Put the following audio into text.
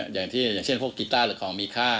อย่างที่อย่างเช่นพวกกิตตาร์หรือของมีค่า